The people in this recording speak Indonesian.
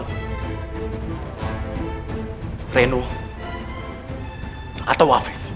kau renu atau wafif